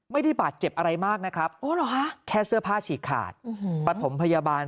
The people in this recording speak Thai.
ไม่ได้บาดเจ็บอะไรมากนะครับแค่เสื้อผ้าฉีกขาดปฐมพยาบาล